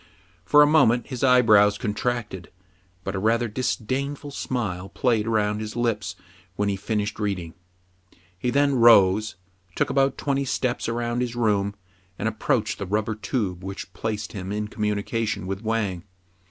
For a moment his eye brows contracted ; but a rather disdainful smile played round his lips when he finished reading. He then rose, took about twenty steps around his room, and approached the rubber tube which placed him in communication with Wang.